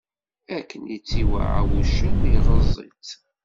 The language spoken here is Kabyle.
Akken i tt-iwɛa wuccen, iɣeẓẓ-itt.